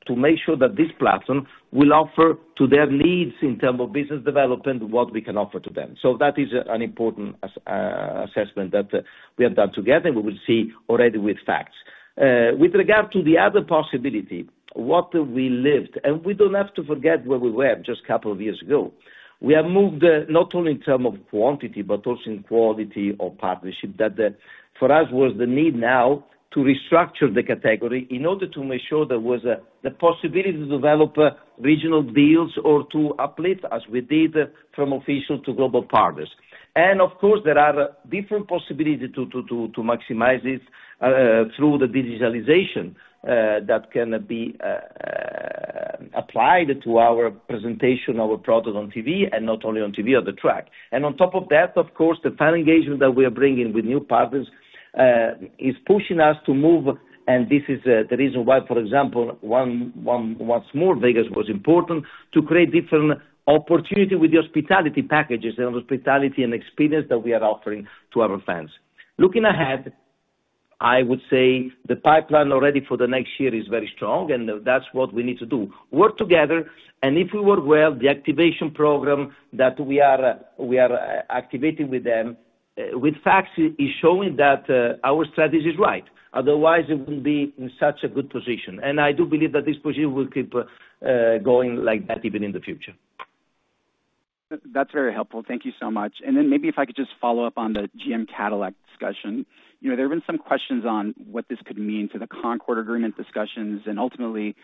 E: to make sure that this platform will offer to their needs in terms of business development what we can offer to them. So that is an important assessment that we have done together, and we will see already with facts. With regard to the other possibility, what we lived, and we don't have to forget where we were just a couple of years ago. We have moved not only in terms of quantity, but also in quality of partnership that for us was the need now to restructure the category in order to make sure there was the possibility to develop regional deals or to uplift as we did from official to global partners. And of course, there are different possibilities to maximize this through the digitalization that can be applied to our presentation, our product on TV, and not only on TV, on the track. And on top of that, of course, the fan engagement that we are bringing with new partners is pushing us to move. And this is the reason why, for example, once more, Vegas was important to create different opportunities with the hospitality packages and hospitality and experience that we are offering to our fans. Looking ahead, I would say the pipeline already for the next year is very strong, and that's what we need to do. Work together. And if we work well, the activation program that we are activating with them, with facts, is showing that our strategy is right. Otherwise, it wouldn't be in such a good position. And I do believe that this position will keep going like that even in the future.
H: That's very helpful. Thank you so much. And then maybe if I could just follow up on the GM Cadillac discussion. There have been some questions on what this could mean to the Concorde Agreement discussions and ultimately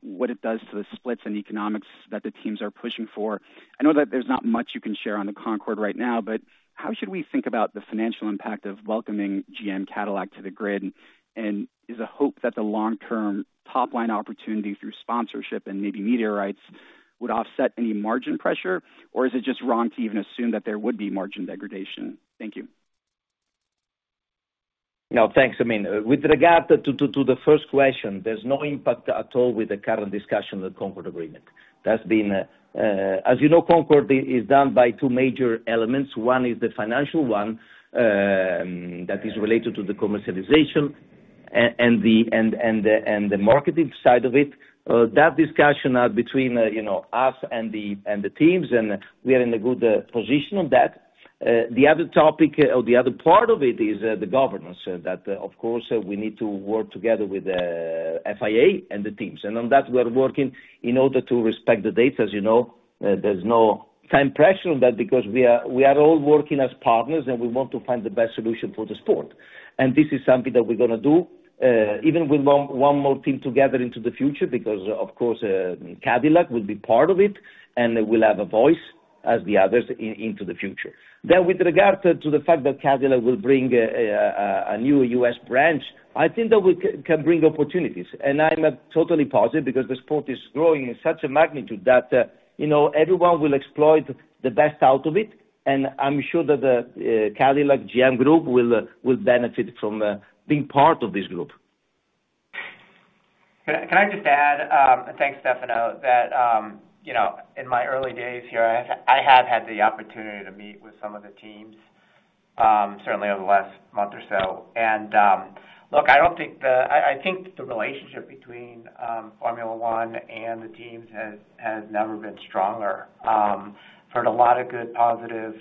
H: what it does to the splits and economics that the teams are pushing for. I know that there's not much you can share on the Concorde right now, but how should we think about the financial impact of welcoming GM Cadillac to the grid? And is the hope that the long-term top-line opportunity through sponsorship and maybe media rights would offset any margin pressure, or is it just wrong to even assume that there would be margin degradation? Thank you.
E: No, thanks. I mean, with regard to the first question, there's no impact at all with the current discussion of the Concorde Agreement. As you know, Concorde is done by two major elements. One is the financial one that is related to the commercialization and the marketing side of it. That discussion between us and the teams, and we are in a good position on that. The other topic or the other part of it is the governance that, of course, we need to work together with FIA and the teams, and on that, we are working in order to respect the dates. As you know, there's no time pressure on that because we are all working as partners, and we want to find the best solution for the sport, and this is something that we're going to do even with one more team together into the future because, of course, Cadillac will be part of it, and we'll have a voice as the others into the future, then, with regard to the fact that Cadillac will bring a new U.S. branch, I think that we can bring opportunities, and I'm totally positive because the sport is growing in such a magnitude that everyone will exploit the best out of it. I'm sure that the Cadillac GM Group will benefit from being part of this group.
C: Can I just add? Thanks, Stefano. In my early days here, I have had the opportunity to meet with some of the teams, certainly over the last month or so. Look, I don't think the relationship between Formula One and the teams has never been stronger. I've heard a lot of good positive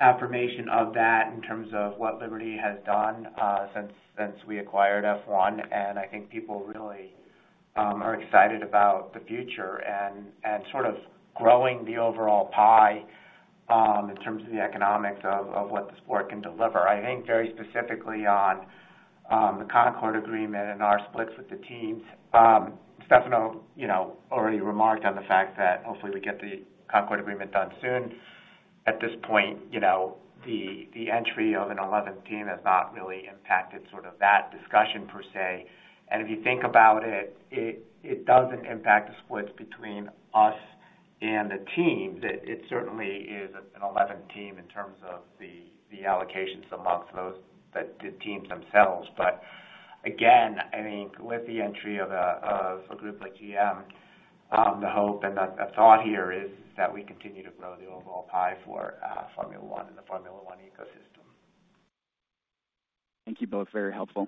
C: affirmation of that in terms of what Liberty has done since we acquired F1. I think people really are excited about the future and sort of growing the overall pie in terms of the economics of what the sport can deliver. I think very specifically on the Concorde Agreement and our splits with the teams. Stefano already remarked on the fact that hopefully we get the Concorde Agreement done soon. At this point, the entry of an 11th team has not really impacted sort of that discussion per se. And if you think about it, it doesn't impact the splits between us and the team. It certainly is an 11th team in terms of the allocations amongst the teams themselves. But again, I think with the entry of a group like GM, the hope and the thought here is that we continue to grow the overall pie for Formula One and the Formula One ecosystem.
H: Thank you both. Very helpful.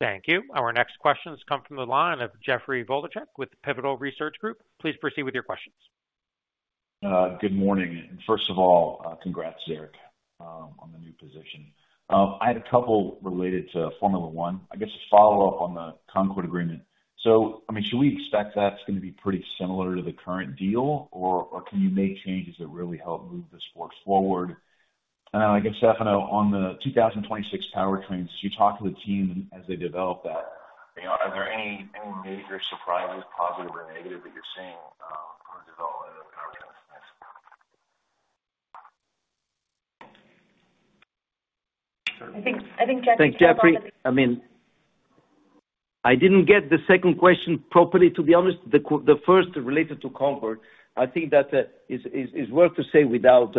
A: Thank you. Our next questions come from the line of Jeffrey Wlodarczak with the Pivotal Research Group. Please proceed with your questions.
I: Good morning, and first of all, congrats, Derek, on the new position. I had a couple related to Formula One. I guess a follow-up on the Concorde Agreement. So I mean, should we expect that's going to be pretty similar to the current deal, or can you make changes that really help move the sport forward? And I guess, Stefano, on the 2026 powertrains, did you talk to the team as they develop that? Are there any major surprises, positive or negative, that you're seeing from the development of powertrains?
B: I think Jeffrey probably. Thank you, Jeffrey.
E: I mean, I didn't get the second question properly, to be honest. The first related to Concorde, I think that is worth to say without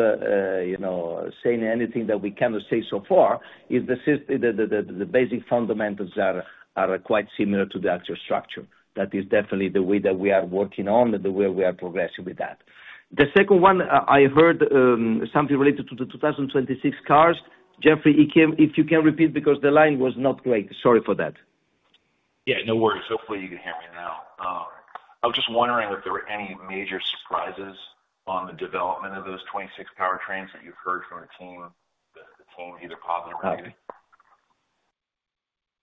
E: saying anything that we cannot say so far, is the basic fundamentals are quite similar to the actual structure. That is definitely the way that we are working on and the way we are progressing with that. The second one, I heard something related to the 2026 cars. Jeffrey, if you can repeat because the line was not great. Sorry for that.
I: Yeah, no worries. Hopefully, you can hear me now. I was just wondering if there were any major surprises on the development of those 26 powertrains that you've heard from the team, the team either positive or negative.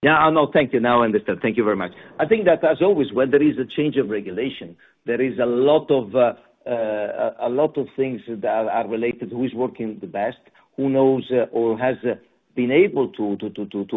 E: Yeah. Oh, no. Thank you. Now I understand. Thank you very much. I think that, as always, when there is a change of regulation, there is a lot of things that are related to who is working the best, who knows or has been able to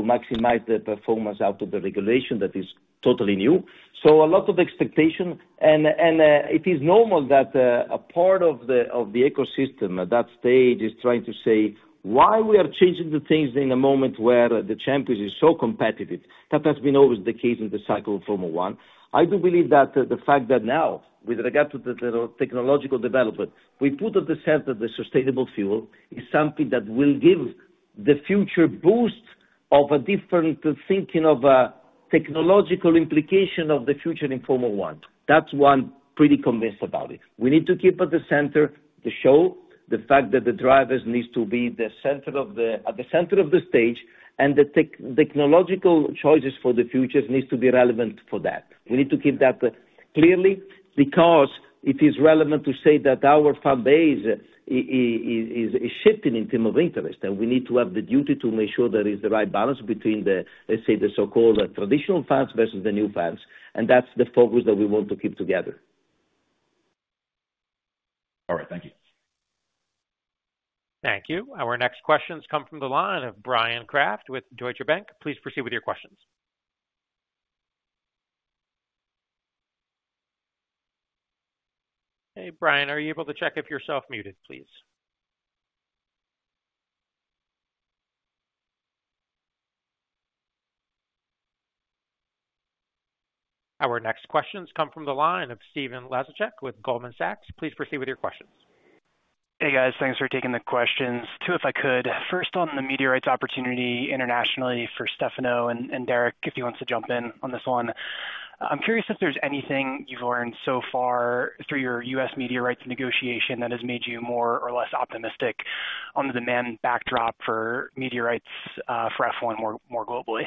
E: maximize the performance out of the regulation that is totally new. So a lot of expectation. It is normal that a part of the ecosystem at that stage is trying to say, "Why are we changing the things in a moment where the championship is so competitive?" That has been always the case in the cycle of Formula One. I do believe that the fact that now, with regard to the technological development, we put at the center the sustainable fuel is something that will give the future boost of a different thinking of a technological implication of the future in Formula One. That's why I'm pretty convinced about it. We need to keep at the center the show, the fact that the drivers need to be at the center of the stage, and the technological choices for the future need to be relevant for that. We need to keep that clearly because it is relevant to say that our fan base is shifting in terms of interest. And we need to have the duty to make sure there is the right balance between, let's say, the so-called traditional fans versus the new fans. And that's the focus that we want to keep together.
I: All right. Thank you.
A: Thank you. Our next questions come from the line of Bryan Kraft with Deutsche Bank. Please proceed with your questions. Hey, Bryan, are you able to check if you're self-muted, please? Our next questions come from the line of Stephen Laszczyk with Goldman Sachs. Please proceed with your questions.
J: Hey, guys. Thanks for taking the questions. Two, if I could. First, on the media rights opportunity internationally for Stefano and Derek, if he wants to jump in on this one. I'm curious if there's anything you've learned so far through your U.S. media rights negotiation that has made you more or less optimistic on the demand backdrop for media rights for F1 more globally.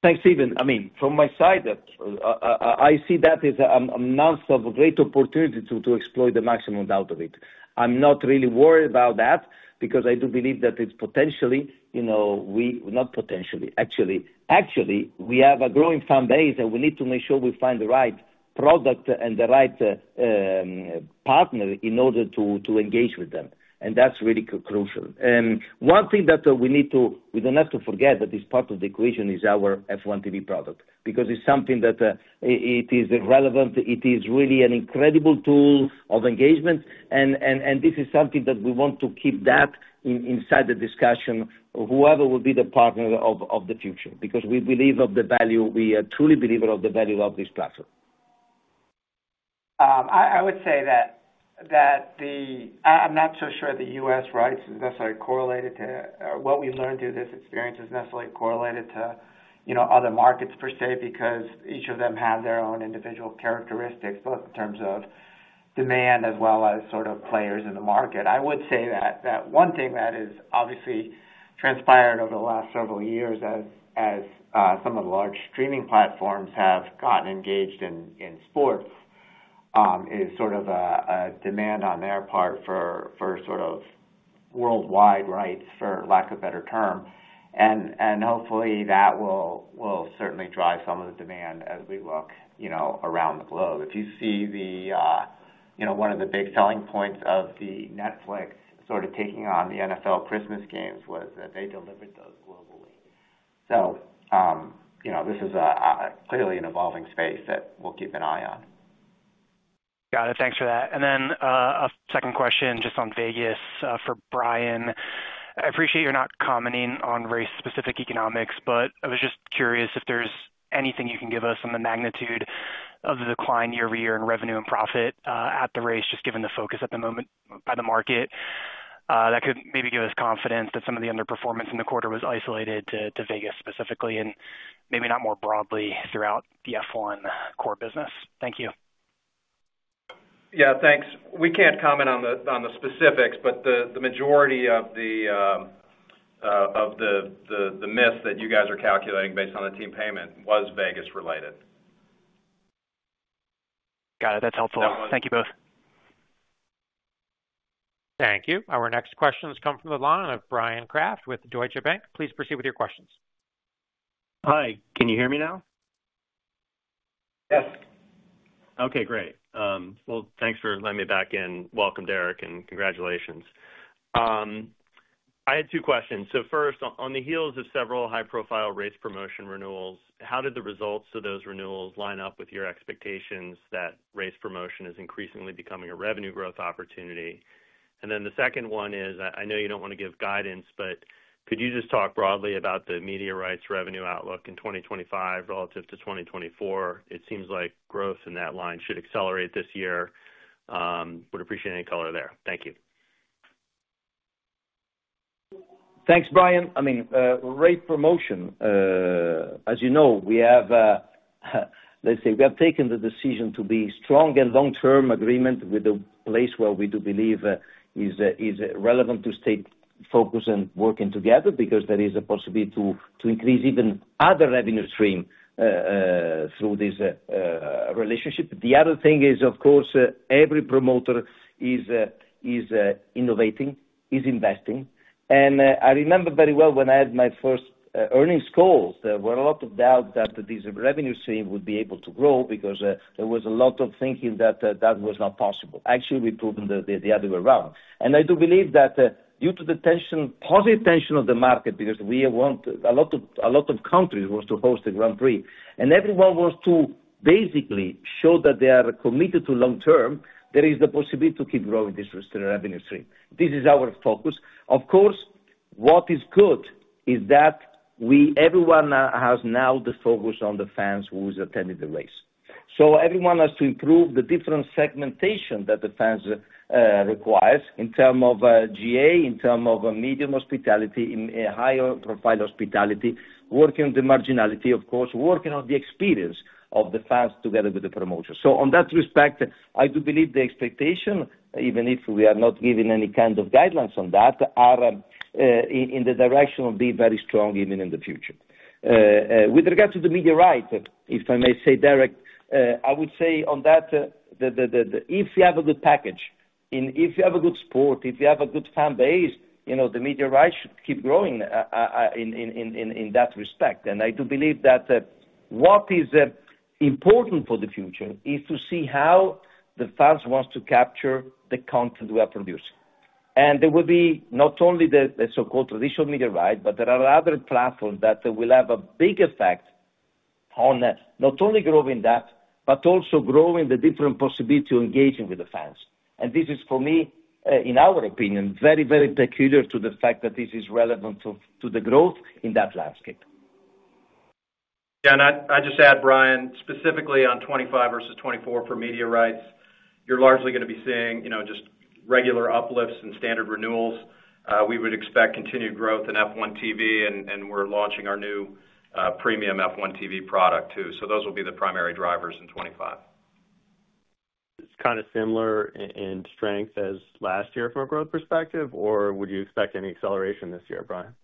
E: Thanks, Stephen. I mean, from my side, I see that as a nonstop great opportunity to exploit the maximum out of it. I'm not really worried about that because I do believe that it's potentially, not potentially. Actually, we have a growing fan base, and we need to make sure we find the right product and the right partner in order to engage with them, and that's really crucial. And one thing that we need to, we don't have to forget, that is part of the equation is our F1 TV product because it's something that is relevant. It is really an incredible tool of engagement. This is something that we want to keep that inside the discussion, whoever will be the partner of the future because we believe of the value. We are truly believers of the value of this platform.
C: I would say that I'm not so sure the U.S. rights is necessarily correlated to what we learned through this experience is necessarily correlated to other markets per se because each of them has their own individual characteristics, both in terms of demand as well as sort of players in the market. I would say that one thing that has obviously transpired over the last several years as some of the large streaming platforms have gotten engaged in sports is sort of a demand on their part for sort of worldwide rights, for lack of a better term. Hopefully, that will certainly drive some of the demand as we look around the globe. If you see one of the big selling points of the Netflix sort of taking on the NFL Christmas games was that they delivered those globally. So this is clearly an evolving space that we'll keep an eye on.
J: Got it. Thanks for that. Then a second question just on Vegas for Brian. I appreciate you're not commenting on race-specific economics, but I was just curious if there's anything you can give us on the magnitude of the decline year-over-year in revenue and profit at the race, just given the focus at the moment by the market. That could maybe give us confidence that some of the underperformance in the quarter was isolated to Vegas specifically and maybe not more broadly throughout the F1 core business. Thank you.
D: Yeah, thanks. We can't comment on the specifics, but the majority of the math that you guys are calculating based on the team payment was Vegas-related.
J: Got it. That's helpful. Thank you both.
A: Thank you. Our next questions come from the line of Bryan Kraft with Deutsche Bank. Please proceed with your questions. Hi. Can you hear me now?
C: Yes.
K: Okay. Great. Well, thanks for letting me back in. Welcome, Derek, and congratulations. I had two questions. So first, on the heels of several high-profile race promotion renewals, how did the results of those renewals line up with your expectations that race promotion is increasingly becoming a revenue growth opportunity? And then the second one is, I know you don't want to give guidance, but could you just talk broadly about the media rights revenue outlook in 2025 relative to 2024? It seems like growth in that line should accelerate this year. Would appreciate any color there. Thank you.
E: Thanks, Bryan. I mean, race promotion, as you know, we have let's say taken the decision to be strong and long-term agreement with the place where we do believe is relevant to stay focused and working together because there is a possibility to increase even other revenue streams through this relationship. The other thing is, of course, every promoter is innovating, is investing. And I remember very well when I had my first earnings calls, there were a lot of doubts that these revenue streams would be able to grow because there was a lot of thinking that that was not possible. Actually, we proved the other way around. And I do believe that due to the positive tension of the market because a lot of countries want to host the Grand Prix. And everyone wants to basically show that they are committed to long-term. There is the possibility to keep growing this revenue stream. This is our focus. Of course, what is good is that everyone has now the focus on the fans who are attending the race. So everyone has to improve the different segmentation that the fans require in terms of GA, in terms of medium hospitality, higher profile hospitality, working on the marginality, of course, working on the experience of the fans together with the promotion. So on that respect, I do believe the expectation, even if we are not giving any kind of guidelines on that, are in the direction of being very strong even in the future. With regard to the media rights, if I may say, Derek, I would say on that, if you have a good package, if you have a good sport, if you have a good fan base, the media rights should keep growing in that respect. And I do believe that what is important for the future is to see how the fans want to capture the content we are producing. And there will be not only the so-called traditional media rights, but there are other platforms that will have a big effect on not only growing that, but also growing the different possibility of engaging with the fans. And this is, for me, in our opinion, very, very peculiar to the fact that this is relevant to the growth in that landscape.
D: Yeah. I just add, Bryan, specifically on 2025 versus 2024 for media rights, you're largely going to be seeing just regular uplifts and standard renewals. We would expect continued growth in F1 TV, and we're launching our new premium F1 TV product too. So those will be the primary drivers in 2025.
K: Is it kind of similar in strength as last year from a growth perspective, or would you expect any acceleration this year, Brian?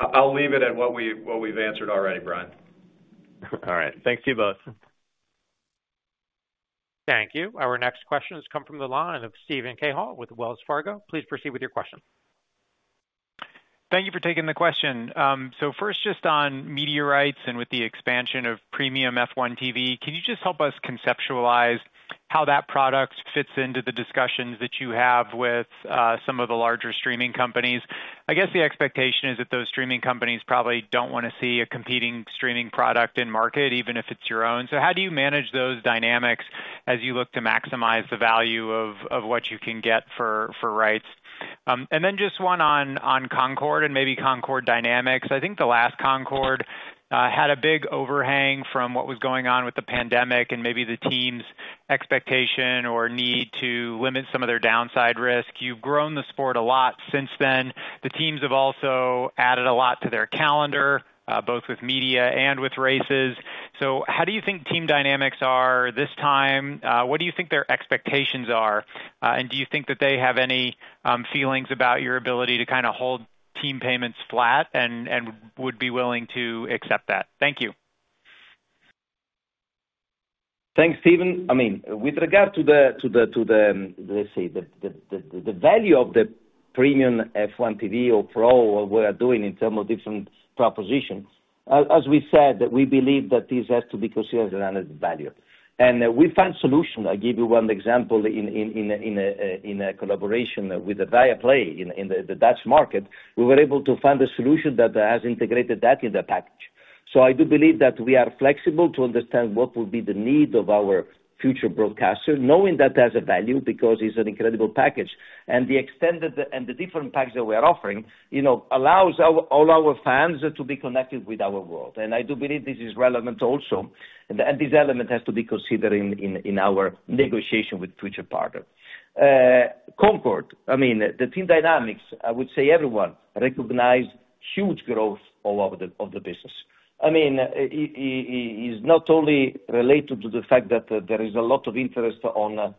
D: I'll leave it at what we've answered already, Bryan.
K: All right. Thanks to you both.
A: Thank you. Our next questions come from the line of Steven Cahall with Wells Fargo. Please proceed with your question.
L: Thank you for taking the question. So first, just on media rights and with the expansion of premium F1 TV, can you just help us conceptualize how that product fits into the discussions that you have with some of the larger streaming companies? I guess the expectation is that those streaming companies probably don't want to see a competing streaming product in market, even if it's your own. So how do you manage those dynamics as you look to maximize the value of what you can get for rights? And then just one on Concorde and maybe Concorde dynamics. I think the last Concorde had a big overhang from what was going on with the pandemic and maybe the team's expectation or need to limit some of their downside risk. You've grown the sport a lot since then. The teams have also added a lot to their calendar, both with media and with races. So how do you think team dynamics are this time? What do you think their expectations are? And do you think that they have any feelings about your ability to kind of hold team payments flat and would be willing to accept that? Thank you.
E: Thanks, Steven. I mean, with regard to the, let's say, the value of the premium F1 TV or Pro or what we are doing in terms of different propositions, as we said, we believe that this has to be considered as an added value. And we found a solution. I give you one example in a collaboration with Viaplay in the Dutch market. We were able to find a solution that has integrated that in the package. So I do believe that we are flexible to understand what will be the need of our future broadcaster, knowing that there's a value because it's an incredible package. And the extent and the different packs that we are offering allows all our fans to be connected with our world. And I do believe this is relevant also. And this element has to be considered in our negotiation with future partners. Concorde, I mean, the team dynamics, I would say everyone recognized huge growth of the business. I mean, it is not only related to the fact that there is a lot of interest on.